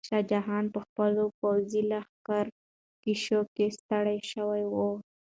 شاه جهان په خپلو پوځي لښکرکشیو کې ستړی شوی و.